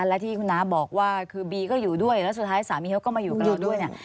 และที่คุณน้าบอกว่าคือบีก็อยู่ด้วยแล้วสุดท้ายสามีเขาก็มาอยู่กับเราด้วยเนี่ย